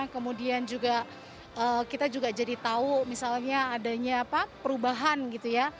kemudian juga kita juga jadi tahu misalnya adanya perubahan gitu ya